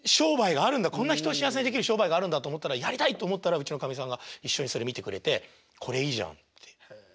こんな人を幸せにできる商売があるんだと思ったらやりたいと思ったらうちのかみさんが一緒にそれ見てくれて「これいいじゃん」って。